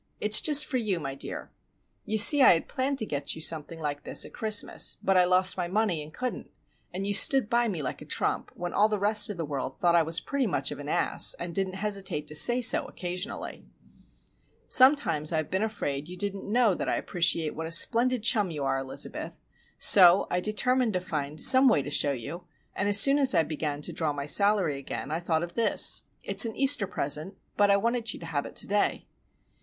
"It's just for you, my dear. You see I had planned to get something like this at Christmas, but I lost my money, and couldn't; and you stood by me like a trump, while all the rest of the world thought I was pretty much of an ass,—and didn't hesitate to say so, occasionally. Sometimes I have been afraid you didn't know that I appreciate what a splendid chum you are, Elizabeth. So I determined to find some way to show you, and as soon as I began to draw my salary again I thought of this. It's an Easter present,—but I wanted you to have it to day."